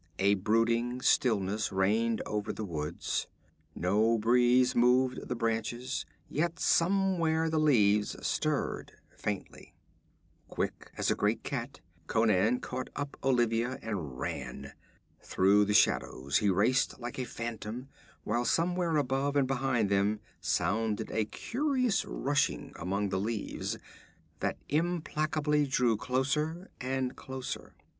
A brooding stillness reigned over the woods. No breeze moved the branches, yet somewhere the leaves stirred faintly. Quick as a great cat Conan caught up Olivia and ran. Through the shadows he raced like a phantom, while somewhere above and behind them sounded a curious rushing among the leaves, that implacably drew closer and closer.